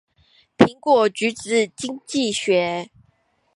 蘋果橘子經濟學